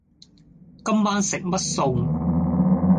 今晚食乜餸